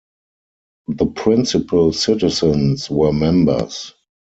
The principal citizens were members.